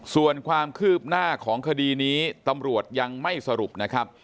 ส่วนความคืบหน้าของคดีนี้ตำรวจยังไม่สรุปนะครับ